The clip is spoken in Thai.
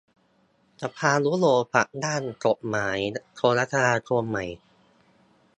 สภายุโรปรับร่างกฎหมายโทรคมนาคมใหม่